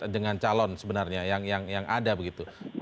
dengan calon sebenarnya yang ada begitu